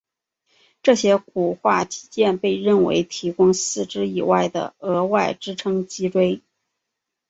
这些骨化肌腱被认为提供四肢以外的额外支撑脊椎。